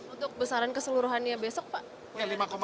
untuk besaran keseluruhannya besok pak